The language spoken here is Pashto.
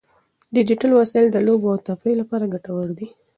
ډیجیټل وسایل د لوبو او تفریح لپاره ګټور دي.